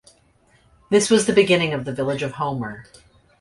This was the beginning of the village of Homer.